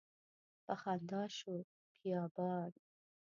په خندا شو بیابان